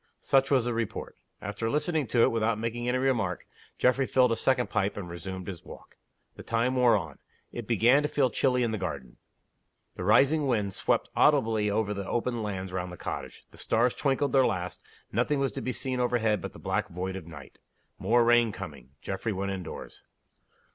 Such was the report. After listening to it, without making any remark, Geoffrey filled a second pipe, and resumed his walk. The time wore on. It began to feel chilly in the garden. The rising wind swept audibly over the open lands round the cottage; the stars twinkled their last; nothing was to be seen overhead but the black void of night. More rain coming. Geoffrey went indoors.